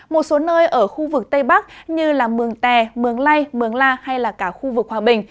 một số nơi ở khu vực tây bắc như mường tè mường lây mường la hay là cả khu vực hòa bình